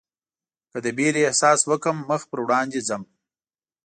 که د وېرې احساس وکړم مخ پر وړاندې ځم.